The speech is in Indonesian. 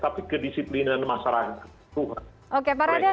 tapi kedisiplinan masyarakat